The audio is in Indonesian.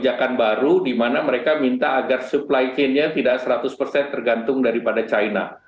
dan mereka ini ada kebijakan baru di mana mereka minta agar supply chainnya tidak seratus tergantung daripada china